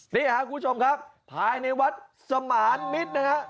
นี่ค่ะคุณผู้ชมครับภายในวัดสมานมิตต์